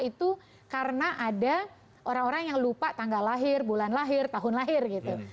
itu karena ada orang orang yang lupa tanggal lahir bulan lahir tahun lahir gitu